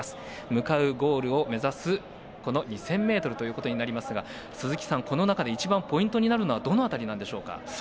向かうゴールを目指すこの２０００ｍになりますが鈴木さん、この中で一番ポイントになるのはどの辺りなんでしょうか？